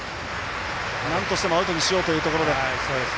なんとしてもアウトにしようというところで。